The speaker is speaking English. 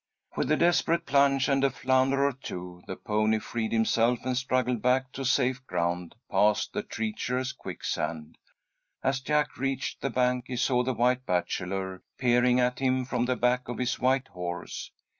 With a desperate plunge and a flounder or two, the pony freed himself, and struggled back to safe ground, past the treacherous quicksand. As Jack reached the bank he saw the White Bachelor peering at him from the back of his white horse.